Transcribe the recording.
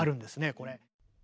これ。